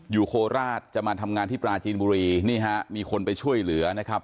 โคราชจะมาทำงานที่ปลาจีนบุรีนี่ฮะมีคนไปช่วยเหลือนะครับ